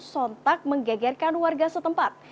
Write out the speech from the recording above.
sontak menggegerkan warga setempat